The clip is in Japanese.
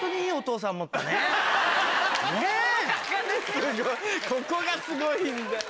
すごいここがすごいんだ。